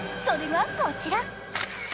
それがこちら。